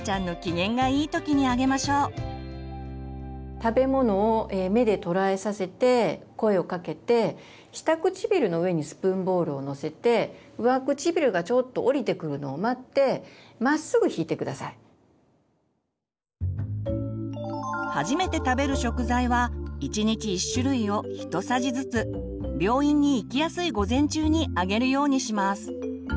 食べ物を目で捉えさせて声をかけて下唇の上にスプーンボールをのせて初めて食べる食材は１日１種類をひとさじずつ病院に行きやすい午前中にあげるようにします。